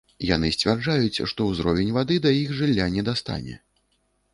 Яны сцвярджаюць, што ўзровень вады да іх жылля не дастане.